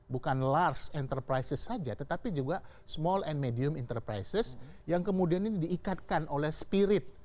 bukan lars enterprises saja tetapi juga small and medium enterprises yang kemudian ini diikatkan oleh spirit